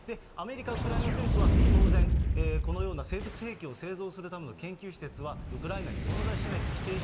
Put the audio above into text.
アメリカ、ウクライナ政府は当然、このような生物兵器を製造するための研究施設はウクライナに存在